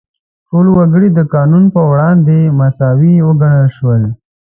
ټول وګړي د قانون په وړاندې مساوي وګڼل شول.